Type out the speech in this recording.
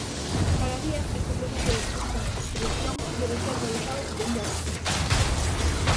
Para Díaz este proceso de construción debe ser realizado "dende a base".